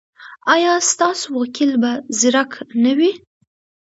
ایا ستاسو وکیل به زیرک نه وي؟